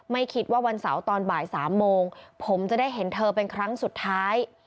ไม่คิดว่าวันเสาร์ตอนบ่าย๓โมงผมจะได้เห็นเธอเป็นครั้งสุดท้าย